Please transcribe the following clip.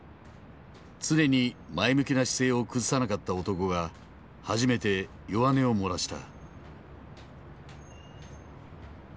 常に前向きな姿勢を崩さなかった男が初めて弱音を漏らした。